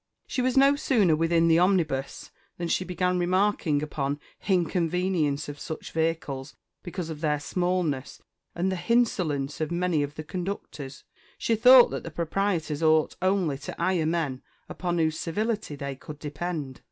She was no sooner within the omnibus than she began remarking upon _h_inconveaience of such vehicles, because of their smallness, and the _h_insolence of many of the conductors. She thought that the proprietors ought only to 'ire men upon whose civility they could depend.